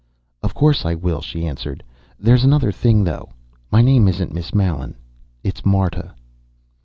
"Of course I will," she answered. "There's another thing, though. My name isn't Miss Mallen it's Marta."